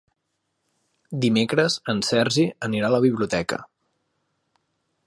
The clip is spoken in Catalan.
Dimecres en Sergi anirà a la biblioteca.